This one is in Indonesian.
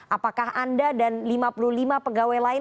apakah anda dan lima puluh lima pegawai lain